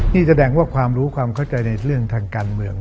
นี่แสดงว่าความรู้ความเข้าใจในเรื่องทางการเมือง